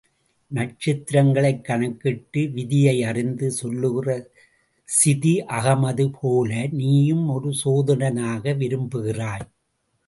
நட்சத்திரங்களைக் கணக்கிட்டு விதியையறிந்து சொல்லுகிற சிதி அகமது போல நீயும் ஒரு சோதிடனாக விரும்புகிறாய்.